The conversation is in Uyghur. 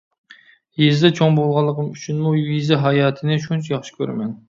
يېزىدا چوڭ بولغانلىقىم ئۈچۈنمۇ يېزا ھاياتىنى شۇنچە ياخشى كۆرىمەن.